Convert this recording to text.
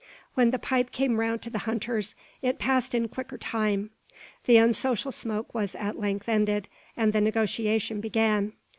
When the pipe came round to the hunters, it passed in quicker time. The unsocial smoke was at length ended, and the negotiation began.